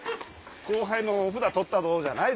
後輩のお札取ったど！じゃない。